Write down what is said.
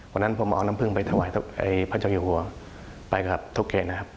วันนั้นผมเอาน้ำพึ่งไปถวายพระเจ้าอยู่หัวไปกับทุกเขตนะครับ